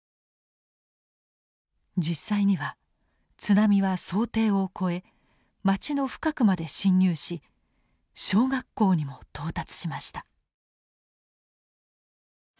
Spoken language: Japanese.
実際には津波は想定を超え町の深くまで侵入し小学校にも到達しました。